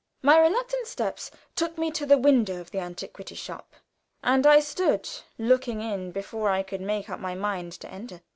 My reluctant steps took me to the window of the antiquity shop, and I stood looking in before I could make up my mind to enter.